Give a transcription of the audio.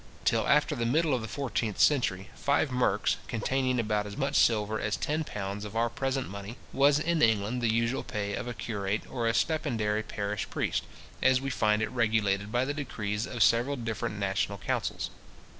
Till after the middle of the fourteenth century, five merks, containing about as much silver as ten pounds of our present money, was in England the usual pay of a curate or a stipendiary parish priest, as we find it regulated by the decrees of several different national councils.